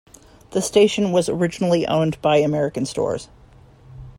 The station was originally owned by American Stores.